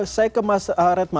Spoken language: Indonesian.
saya ke mas redma